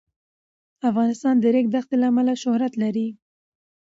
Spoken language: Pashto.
افغانستان د د ریګ دښتې له امله شهرت لري.